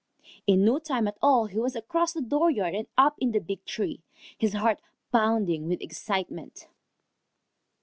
In no time at all he was across the dooryard and up in the big tree, his heart pounding with excitement.